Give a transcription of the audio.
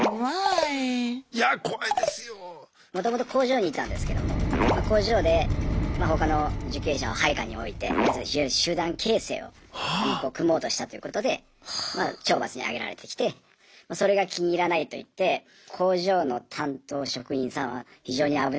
もともと工場にいたんですけども工場で他の受刑者を配下に置いて要するに集団形成を組もうとしたっていうことで懲罰に上げられてきてそれが気に入らないといって工場の担当職員さんは非常に危ない目に遭って。